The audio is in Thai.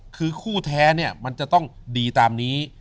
คือคู่แท้เนี่ยมันจะต้องดีตามนี้